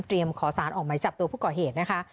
เตรียมขอสารออกมาจับตัวผู้กรเหตุนะคะ